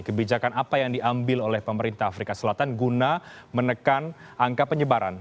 kebijakan apa yang diambil oleh pemerintah afrika selatan guna menekan angka penyebaran